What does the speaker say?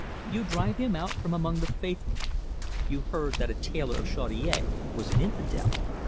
You drive him out from among the faithful. You heard that a tailor of Chaudiere was an infidel.